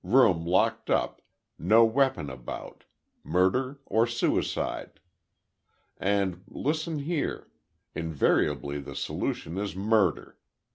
Room locked up. No weapon about. Murder or suicide? And, listen here; invariably the solution is murder.